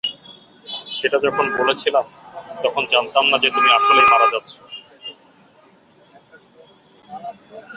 সেটা যখন বলেছিলাম, তখন জানতাম না যে তুমি আসলেই মারা যাচ্ছ।